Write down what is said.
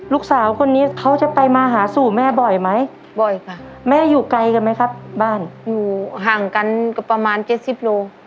ลูกสาวคนนี้เขาจะไปมาหาสู่แม่บ่อยไหมบ่อยค่ะแม่อยู่ไกลกันไหมครับบ้านอยู่ห่างกันก็ประมาณเจ็ดสิบโล